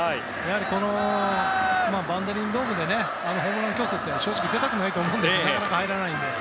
このバンテリンドームでホームラン競争というのは出たくないと思うんですけどなかなか入らないので。